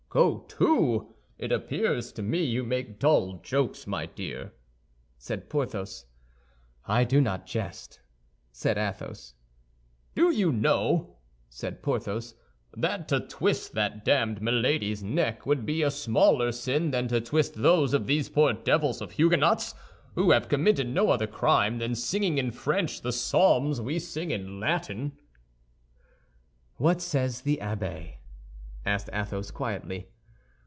"Go to! It appears to me you make dull jokes, my dear," said Porthos. "I do not jest," said Athos. "Do you know," said Porthos, "that to twist that damned Milady's neck would be a smaller sin than to twist those of these poor devils of Huguenots, who have committed no other crime than singing in French the psalms we sing in Latin?" "What says the abbé?" asked Athos, quietly.